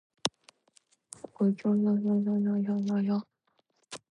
おひょひょひょひょひょひょ